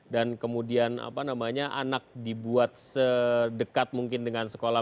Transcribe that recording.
dan kemudian anak dibuat sedekat mungkin dengan sekolah